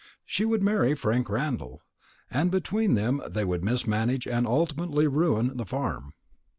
She would marry Frank Randall; and between them they would mismanage, and ultimately ruin, the farm.